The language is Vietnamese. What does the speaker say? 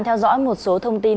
theo dõi một số thông tin